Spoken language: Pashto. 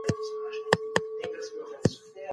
اخلاق د تمدن د بقا لپاره اړین دي.